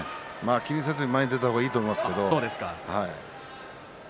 気にせず前に出た方がいいと思いますけど。